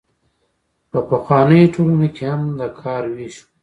په پخوانیو ټولنو کې هم د کار ویش و.